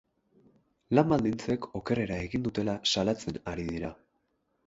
Lan baldintzek okerrera egin dutela salatzen ari dira.